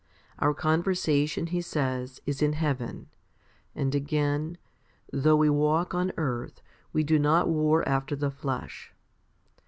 Our con versation, he says, is in heaven ; 1 and again, Though we walk on earth, we do not war after the flesh.